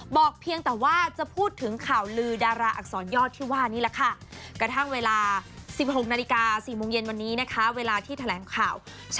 บอกเพียงแต่ว่าจะพูดถึงข่าวลืดาราอักษรยอดที่ว่านี้ละค่ะ